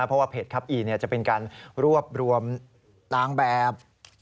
เพราะว่าเพจคับอีจะเป็นการรวบรวมต่างแบบ